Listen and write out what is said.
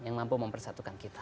yang mampu mempersatukan kita